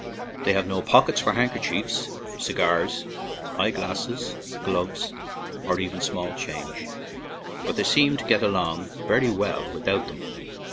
They have no pockets for handkerchiefs, cigars, eye glasses, gloves, or even small change, but they seem to get on very well without them.